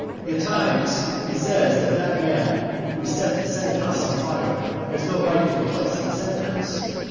At times he says that that man who set the senate house on fire has no right to a place in the senate house.